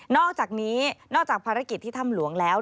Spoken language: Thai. อกจากนี้นอกจากภารกิจที่ถ้ำหลวงแล้ว